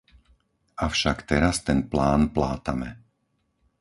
Avšak teraz ten plán plátame.